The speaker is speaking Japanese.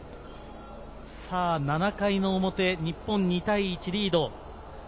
７回の表、日本２対１でリード。